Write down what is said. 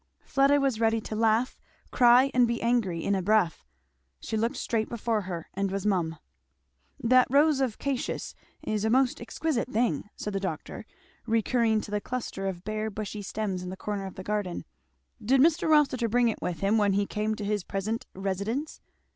'" Fleda was ready to laugh, cry, and be angry, in a breath. She looked straight before her and was mum. "That 'Rose of Cassius' is a most exquisite thing!" said the doctor, recurring to the cluster of bare bushy stems in the corner of the garden. "Did Mr. Rossitur bring it with him when he came to his present residence?"